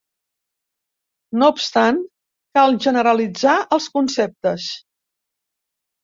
No obstant cal generalitzar els conceptes.